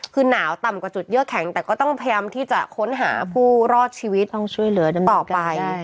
คือหนาวต่ำกว่าจุดเยือกแข็งแต่ก็ต้องพยายามที่จะค้นหาผู้รอดชีวิตต่อไป